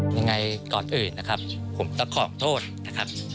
ยังไงก่อนอื่นนะครับผมต้องขอโทษนะครับ